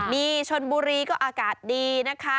มีชมบุรีก็อากาศดี